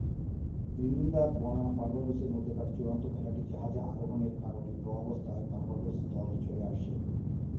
Trinidad বনাম বার্বাডোসের মধ্যকার চূড়ান্ত খেলাটি জাহাজে আরোহণের কারণে ড্র অবস্থায় বার্বাডোস দল চলে আসে।